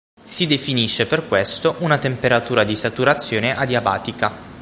Si definisce per questo una temperatura di saturazione adiabatica.